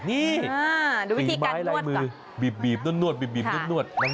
นี่สีไม้ไร้มือ